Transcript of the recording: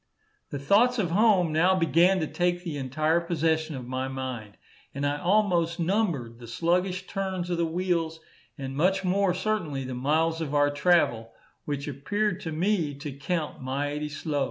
The thoughts of home now began to take the entire possession of my mind, and I almost numbered the sluggish turns of the wheels, and much more certainly the miles of our travel, which appeared to me to count mighty slow.